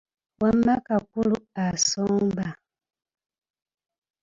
Wamma kakulu asomba.